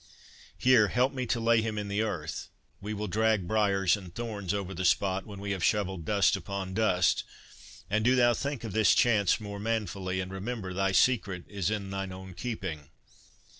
Here, help me to lay him in the earth; we will drag briers and thorns over the spot, when we have shovelled dust upon dust; and do thou think of this chance more manfully; and remember, thy secret is in thine own keeping."